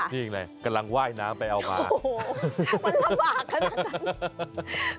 นี่ไงกำลังว่ายน้ำไปเอามาโอ้โหมันลำบากขนาดนั้น